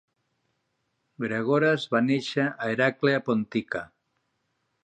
Gregoras va néixer a Heraclea Pontica.